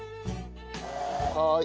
はい。